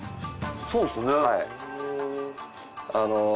そうですね。